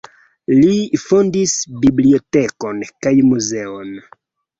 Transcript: Li fondis bibliotekon kaj muzeon.